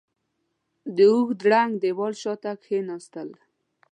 د اوږده ړنګ دېوال شاته کېناستل.